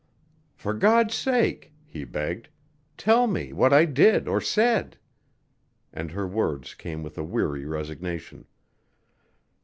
"For God's sake," he begged, "tell me what I did or said?" And her words came with a weary resignation.